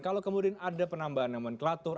kalau kemudian ada penambahan nomenklatur